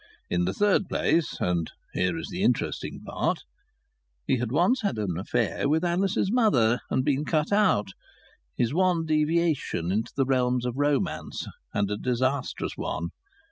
In the third place and here is the interesting part he had once had an affair with Alice's mother and had been cut out: his one deviation into the realms of romance and a disastrous one.